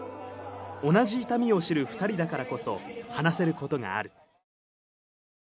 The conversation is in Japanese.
同じ痛みを知る２人だからこそ、話せることがある。